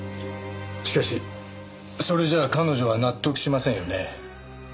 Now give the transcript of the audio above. しかしそれじゃあ彼女は納得しませんよね。